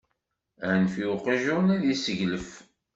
Anef i uqjun, ad isseglef!